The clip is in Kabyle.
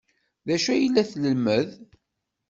D acu ay la ilemmed?